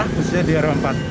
khususnya di rk empat